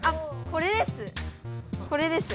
これです。